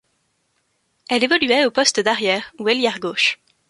Elle évoluait au poste d'arrière ou ailière gauche.